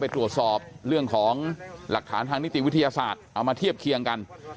ตรวจสอบเรื่องของหลักฐานทางนิติวิทยาศาสตร์เอามาเทียบเคียงกัน